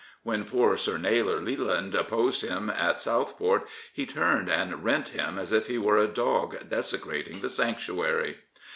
When poor Sir Naylor Leyland opposed him at South port he turned and rent him as if he were a dog desecrating the sanctuary.